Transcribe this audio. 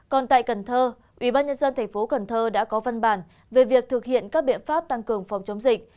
còn tại cần thơ ubnd tp cần thơ đã có văn bản về việc thực hiện các biện pháp tăng cường phòng chống dịch